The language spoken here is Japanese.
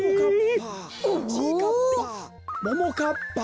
ももかっぱ。